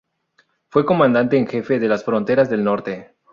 Fue comandante en Jefe de las fronteras del Norte.